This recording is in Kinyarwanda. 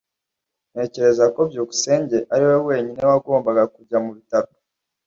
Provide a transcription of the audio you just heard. Ntekereza ko byukusenge ari we wenyine wagombaga kujya mu bitaro.